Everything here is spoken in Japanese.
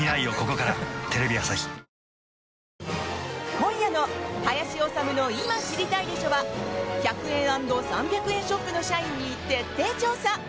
今夜の「林修の今、知りたいでしょ！」は１００円＆３００円ショップの社員に徹底調査！